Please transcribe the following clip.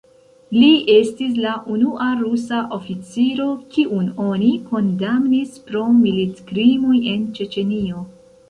Li estis la unua rusa oficiro, kiun oni kondamnis pro militkrimoj en Ĉeĉenio.